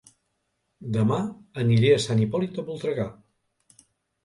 Dema aniré a Sant Hipòlit de Voltregà